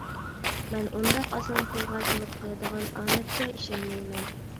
مەن ئۇنداق ئاسان قولغا كېلىپ قالىدىغان ئامەتكە ئىشەنمەيمەن.